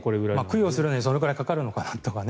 供養するのにそれくらいかかるのかなとかね。